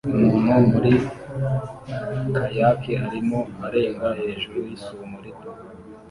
Umuntu muri kayaki arimo arenga hejuru yisumo rito